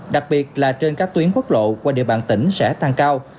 đặc biệt là trên các tuyến quốc lộ qua địa bàn tỉnh sẽ tăng cao